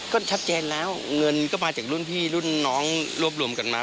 ก็ชัดเจนแล้วเงินก็มาจากรุ่นพี่รุ่นน้องรวบรวมกันมา